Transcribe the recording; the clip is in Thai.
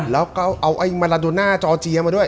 แล้วก็เอาไอ้มาลาโดน่าจอร์เจียมาด้วย